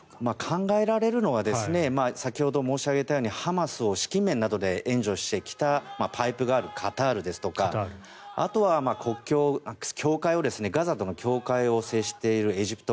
考えられるのは先ほど申し上げたようにハマスを資金面などで援助してきたパイプがあるカタールですとかあとはガザと境界を接しているエジプト。